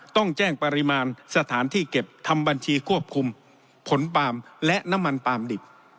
ต้องแจ้งปริมาณสถานที่เก็บทำบัญชีควบคุมผลปาล์มและน้ำมันปาล์มดิบ